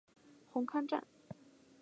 红磡站。